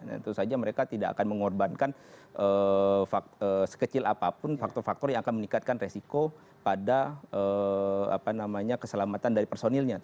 tentu saja mereka tidak akan mengorbankan sekecil apapun faktor faktor yang akan meningkatkan resiko pada keselamatan dari personilnya